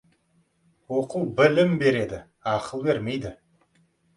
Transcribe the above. Оқу білім береді, ақыл бермейді.